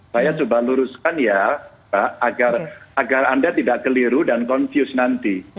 saya coba luruskan ya mbak agar anda tidak keliru dan confuse nanti